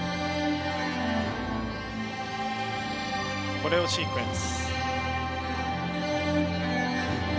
コレオシークエンス。